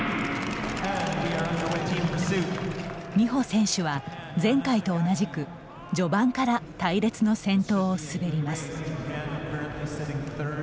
美帆選手は、前回と同じく序盤から隊列の先頭を滑ります。